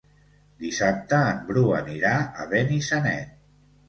Dissabte en Bru anirà a Benissanet.